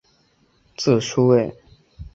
字叔胄。